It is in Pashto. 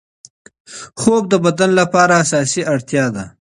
خوب د بدن لپاره اساسي اړتیا ده.